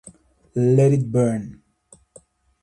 Let it burn.